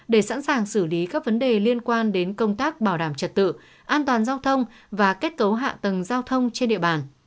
để sẵn sàng xử lý các vấn đề liên quan đến công tác bảo đảm trật tự an toàn giao thông và kết cấu hạ tầng giao thông trên địa bàn